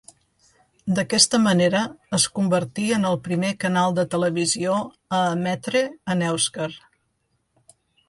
D'aquesta manera es convertí en el primer canal de televisió a emetre en èuscar.